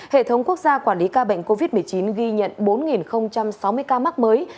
hệ thống quốc gia quản lý ca bệnh covid một mươi chín ghi nhận bốn sáu mươi ca mắc mới